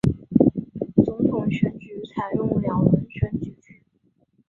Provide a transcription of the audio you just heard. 总统选举采用两轮选举制。